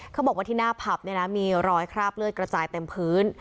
เขาบอกว่าที่หน้าผับเนี่ยนะมีรอยคราบเลือดกระจายเต็มพื้น